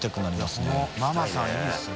このママさんいいですね。